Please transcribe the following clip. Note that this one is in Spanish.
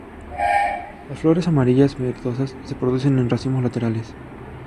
Las flores amarillas verdosas se producen en racimos laterales.